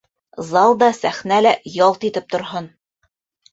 Зал да, сәхнә лә ялт итеп торһон!